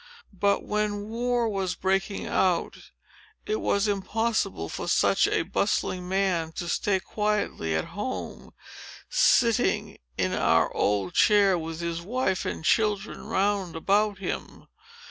But, when war was breaking out, it was impossible for such a bustling man to stay quietly at home, sitting in our old chair, with his wife and children round about him.